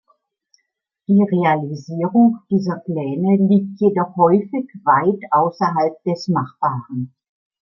Die Realisierung dieser Pläne liegt jedoch häufig weit außerhalb des Machbaren.